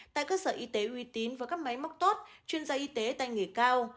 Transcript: tại cơ sở y tế uy tín với các máy móc tốt chuyên gia y tế tài nghề cao